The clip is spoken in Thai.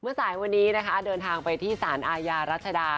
สายวันนี้นะคะเดินทางไปที่สารอาญารัชดา